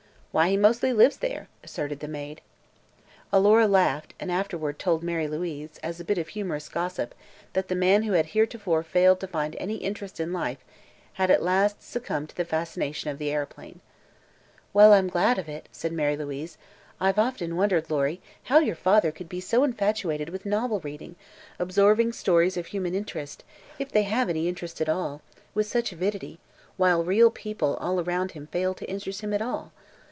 "Why, he mostly lives there," asserted the maid. Alora laughed, and afterward told Mary Louise, as a bit of humorous gossip, that the man who had heretofore failed to find any interest in life had at last succumbed to the fascination of the aeroplane. "Well, I'm glad of it," said Mary Louise. "I've often wondered, Lory, how your father could be so infatuated with novel reading, absorbing stories of human interest, if they have any interest at all, with such avidity, while the real people all around him failed to interest him at all.